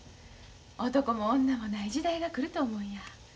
男も女もない時代が来ると思うんや。